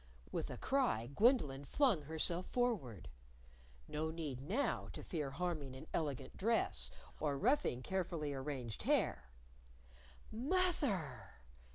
With a cry, Gwendolyn flung herself forward. No need now to fear harming an elegant dress, or roughing carefully arranged hair. "Moth er!"